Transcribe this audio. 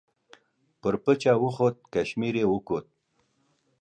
پر پچه وخوت کشمیر یې وکوت.